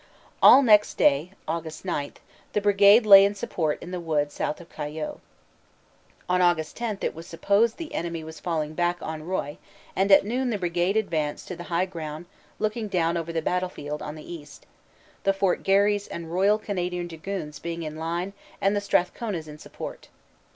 All next day, Aug. 9, the Brigade lay in support in the wood south of Cayeux. On Aug. 10 it was supposed the enemy was falling back on Roye and at noon the Brigade advanced to the high ground looking down over the battlefield on the east, the Fort Garry s and R.C.D s being in line and the Strathcona s in support.